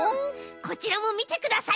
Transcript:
こちらもみてください！